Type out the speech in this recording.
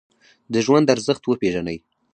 د ژوند ارزښت وپیژنئ